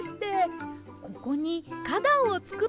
ここにかだんをつくったんです。